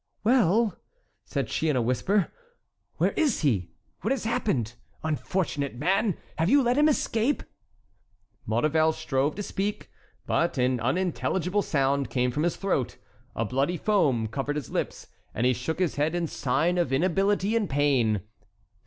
"Well," said she in a whisper, "where is he? what has happened? Unfortunate man! have you let him escape?" Maurevel strove to speak, but an unintelligible sound came from his throat, a bloody foam covered his lips, and he shook his head in sign of inability and pain.